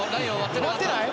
入ってない？